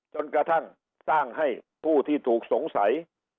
จนกระทั่งสร้างให้ผู้ที่ถูกสงสัย